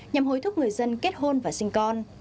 nhằm hối thúc người dân kết hôn và sinh con